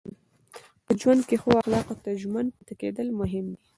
په ژوند کې ښو اخلاقو ته ژمن پاتې کېدل مهم دي.